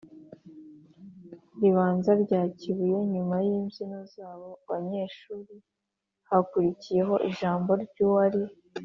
ribanza rya kibuye. nyuma y’imbyino z’abo banyeshuri hakurikiyeho ijambo ry’uwari